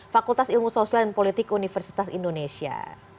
fakultas ilmu sosial dan politik universitas indonesia